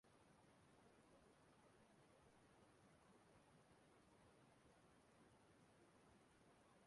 Aha ya nonyere "chi" la "ukwu".